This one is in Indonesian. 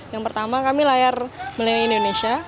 yang pertama kami layar mileni indonesia